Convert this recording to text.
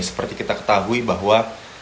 seperti kita ketahui bahwa